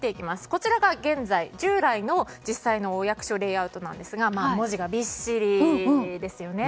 こちらが従来の実際のお役所レイアウトですが文字がびっしりですよね。